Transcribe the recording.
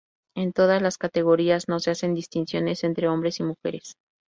En todas las categorías no se hacen distinciones entre hombres y mujeres.